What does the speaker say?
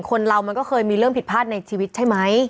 คนเรามันก็เคยมีเรื่องผิดพลาดในชีวิตใช่ไหม